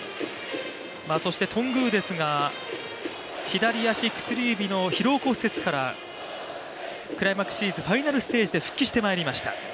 そして頓宮ですが、左足薬指の疲労骨折からクライマックスシリーズファイナルステージで復帰してまいりました。